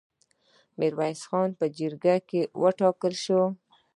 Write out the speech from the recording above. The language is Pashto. میرویس نیکه په جرګه وټاکل شو.